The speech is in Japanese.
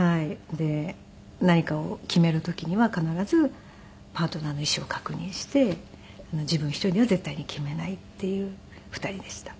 で何かを決める時には必ずパートナーの意思を確認して自分一人では絶対に決めないっていう２人でした。